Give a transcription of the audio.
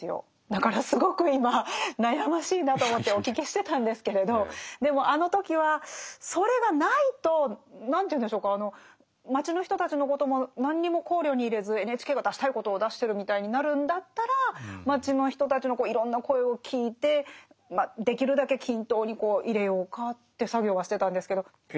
だからすごく今悩ましいなと思ってお聞きしてたんですけれどでもあの時はそれがないと何というんでしょうか街の人たちのことも何にも考慮に入れずＮＨＫが出したいことを出してるみたいになるんだったら街の人たちのいろんな声を聞いてできるだけ均等に入れようかって作業はしてたんですけど。